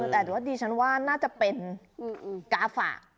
แต่ว่าดิฉันว่าน่าจะเป็นกาฝะ